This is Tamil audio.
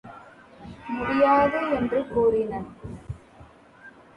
முடியாது என்று கூறினன்.